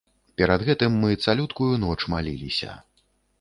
Перад гэтым мы цалюткую ноч маліліся.